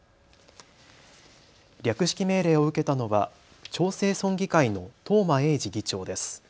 略式命令を受けたのは長生村議会の東間永次議長です。